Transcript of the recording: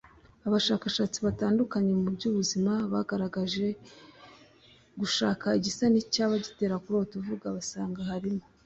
Abashakashatsi batandukanye mu by’ubuzima bagerageje gushaka igisa n’icyaba gitera kurota uvuga basanga harimo